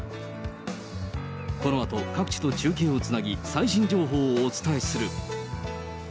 このあと各地と中継をつなぎ、最新情報をお伝えする。